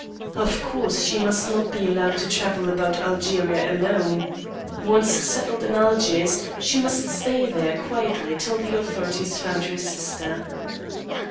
Of course she must not be allowed to travel about Algeria alone. Once settled in Algiers she must stay there quietly till the authorities found her sister.